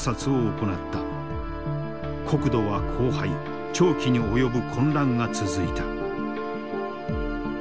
国土は荒廃長期に及ぶ混乱が続いた。